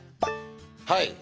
はい。